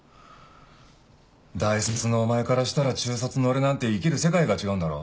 大卒のお前からしたら中卒の俺なんて生きる世界が違うんだろ？